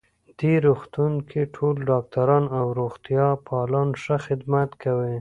دې روغتون کې ټول ډاکټران او روغتیا پالان ښه خدمت کوی